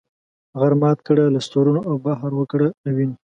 غر مات کړه له سرونو او بحر وکړه له وینې.